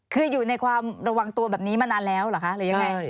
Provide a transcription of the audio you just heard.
คืออยู่ในความระวังตัวแบบนี้มานานแล้วเหรอคะหรือยังไง